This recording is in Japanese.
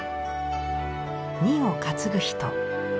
荷を担ぐ人。